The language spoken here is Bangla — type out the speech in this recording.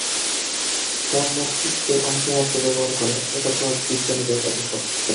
তার মস্তিষ্কের অংশমাত্র ব্যবহার করে, এটা তো আজ বিজ্ঞানীদের কাছে সত্য।